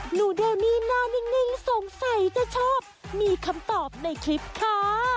เดมี่นอนนิ่งสงสัยจะชอบมีคำตอบในคลิปค่ะ